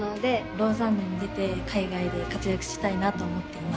ローザンヌに出て海外で活躍したいなと思っています。